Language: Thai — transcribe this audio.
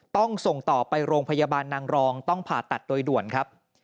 ต้องส่งต่อไปโรงพยาบาลนางรองต้องผ่าตัดโดยด่วนครับ